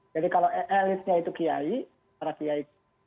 jadi kalau elitnya itu kiai para kiai